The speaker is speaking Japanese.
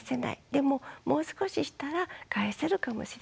でももう少ししたら返せるかもしれない。